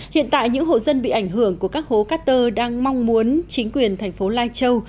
hiện tại những hộ dân bị ảnh hưởng của các hố cát tơ đang mong muốn chính quyền thành phố lai châu